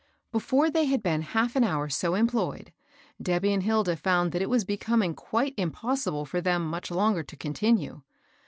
Before they had been half an hour so employed, Debbj and Hilda found that it was becoming quite impossible for them much longer to continue.